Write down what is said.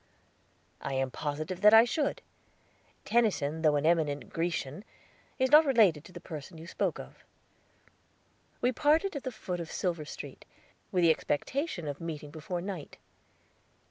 "I am positive that I should. Tennyson, though an eminent Grecian, is not related to the person you spoke of." We parted at the foot of Silver Street, with the expectation of meeting before night.